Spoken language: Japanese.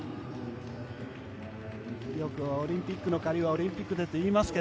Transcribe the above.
よくオリンピックの借りはオリンピックでといいますが